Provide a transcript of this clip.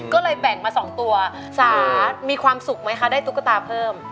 ก็เลยแบ่งมา๒ตัวสามีความสุขไหมคะได้ตุ๊กตาเพิ่ม